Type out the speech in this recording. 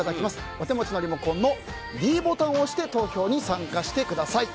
お手持ちのリモコンのｄボタンを押して投票に参加してください。